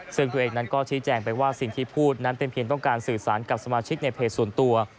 ซึ่งตัวเองนั้นก็ชี้แจงไปว่าสิ่งที่พูดนั้นเป็นเพียงต้องการสื่อสารกับสมาชิกในเพจส่วนตัว